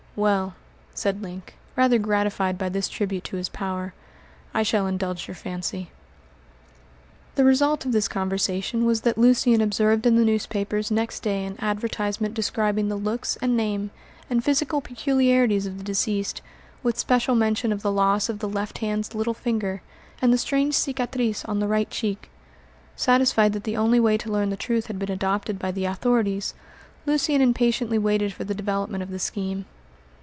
"Well," said Link, rather gratified by this tribute to his power, "I shall indulge your fancy." The result of this conversation was that Lucian observed in the newspapers next day an advertisement describing the looks and name, and physical peculiarities of the deceased, with special mention of the loss of the left hand's little finger, and the strange cicatrice on the right cheek. Satisfied that the only way to learn the truth had been adopted by the authorities, Lucian impatiently waited for the development of the scheme.